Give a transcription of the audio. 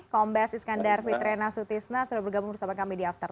kombes iskandar fitrena sutisna sudah bergabung bersama kami di after sepuluh